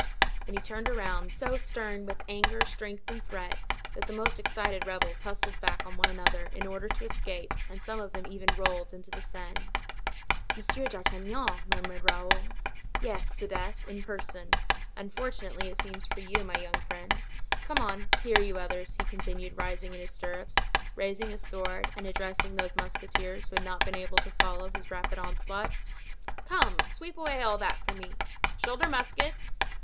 And he turned around, so stern with anger, strength and threat, that the most excited rebels hustled back on one another, in order to escape, and some of them even rolled into the Seine. "Monsieur d'Artagnan!" murmured Raoul. "Yes, 'sdeath! in person, and fortunately it seems for you, my young friend. Come on, here, you others," he continued, rising in his stirrups, raising his sword, and addressing those musketeers who had not been able to follow his rapid onslaught. "Come, sweep away all that for me! Shoulder muskets!